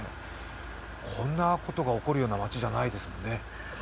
こんなことが起こるような町じゃないですもんね。